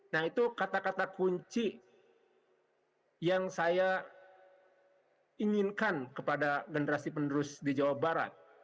nah itu kata kata kunci yang saya inginkan kepada generasi penerus di jawa barat